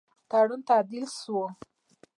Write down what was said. تړون تعدیل سو.